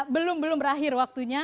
belum belum berakhir waktunya